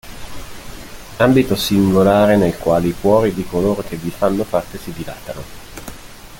Ambito singolare nel quale i cuori di coloro che vi fanno parte si dilatano.